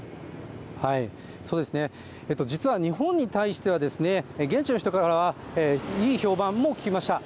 実は日本に対しては、現地の人からは、いい評判も聞きました。